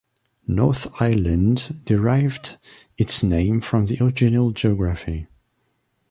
North Island derived its name from the original geography.